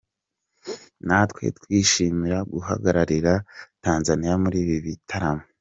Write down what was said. Natwe twishimira guhagararira Tanzania muri ibi bitaramo.